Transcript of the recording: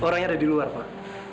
orangnya ada di luar pak